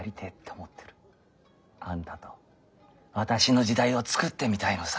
あんたとあたしの時代を作ってみたいのさ。